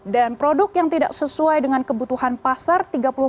dan produk yang tidak sesuai dengan kebutuhan pasar